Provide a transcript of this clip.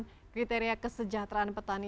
dan kriteria kesejahteraan petani